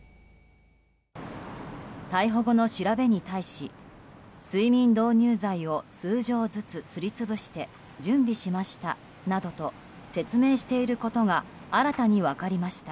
逮捕後の調べに対し睡眠導入剤を数錠ずつすり潰して準備しましたなどと説明していることが新たに分かりました。